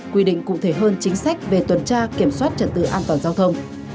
quy định cụ thể hơn chính sách về tuần tra kiểm soát trật tự an toàn giao thông